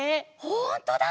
ほんとだ！